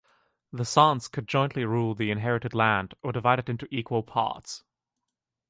The sons could jointly rule the inherited land or divide it into equal parts.